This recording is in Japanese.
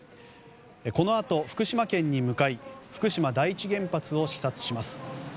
このあと、福島県に向かい福島第一原発を視察します。